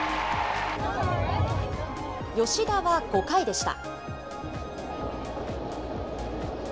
吉田は５回でした。